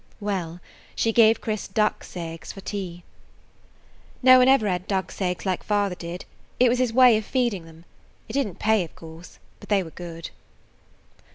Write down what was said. Well, she gave Chris ducks' eggs for tea. "No one ever had ducks' eggs like father did. It was his way of feeding them. It didn't pay, of course, but they were good."